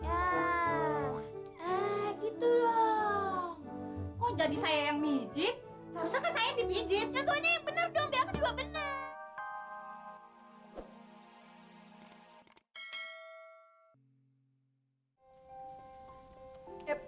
ya tuh ini yang bener dong biar aku juga bener